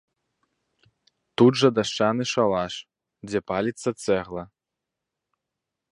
Тут жа дашчаны шалаш, дзе паліцца цэгла.